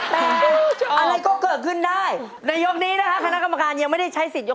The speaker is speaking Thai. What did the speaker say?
แต่อะไรก็เกิดขึ้นได้ในยกนี้นะคะคณะกรรมการยังไม่ได้ใช้สิทธิยก